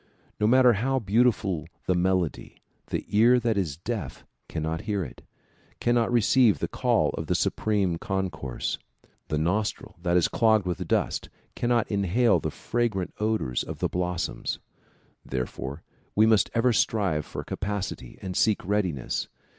No matter how beautiful the melody, the ear that is deaf 144 THE PROMULGATION OF UNIVERSAL PEACE cannot hear it, cannot receive the call of the Supreme Concourse. The nostril that is clogged with dust cannot inhale the fragrant odors of the blossoms. Therefore we must ever strive for capacity and seek readiness.